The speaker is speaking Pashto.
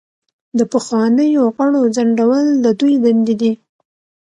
د پخوانیو غړو ځنډول د دوی دندې دي.